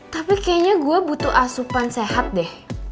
tapi kayaknya gue butuh asupan sehat deh